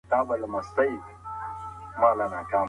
زه به د کور د کارونو تمرين کړی وي.